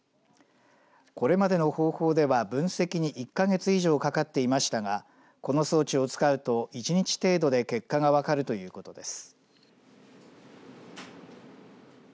これまでの方法では分析に１か月以上かかっていましたがこの装置を使うと１日程度で結果が分かるということです。